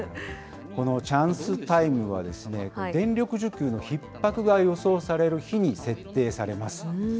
このチャンスタイムは、電力需給のひっ迫が予想される日に設定されます。